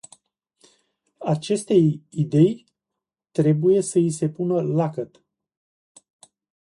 Acestei idei trebuie să i se pună lacăt.